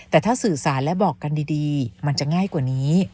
แต่ถ้าสื่อสารและบอกกันดีมันจะง่ายกว่านี้